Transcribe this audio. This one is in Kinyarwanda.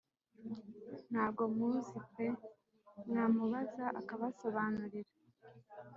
ntaho muzi pe mwamubaza akabasobanurira